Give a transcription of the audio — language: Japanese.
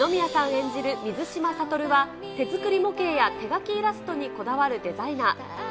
演じる水島悟は、手作り模型や手描きイラストにこだわるデザイナー。